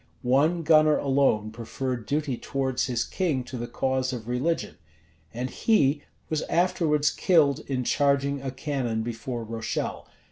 One gunner alone preferred duty towards his king to the cause of religion; and he was afterwards killed in charging a cannon before Rochelle.